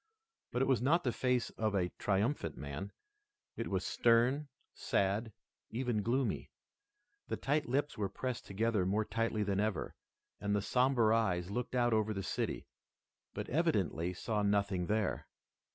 But it was not the face of a triumphant man. It was stern, sad, even gloomy. The thin lips were pressed together more tightly than ever, and the somber eyes looked out over the city, but evidently saw nothing there.